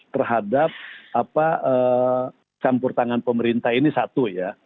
terhadap campur tangan pemerintah ini satu ya